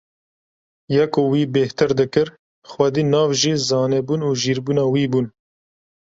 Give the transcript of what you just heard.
Ya ku wî bêhtir dikir xwedî nav jî zanebûn û jîrbûna wî bûn.